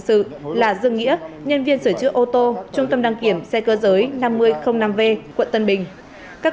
sự là dương nghĩa nhân viên sửa chữa ô tô trung tâm đăng kiểm xe cơ giới năm nghìn năm v quận tân bình các